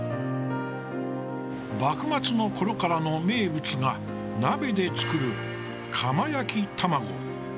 幕末のころからの名物が鍋で作る、釜焼玉子。